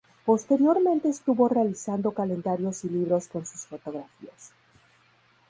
Posteriormente estuvo realizando calendarios y libros con sus fotografías.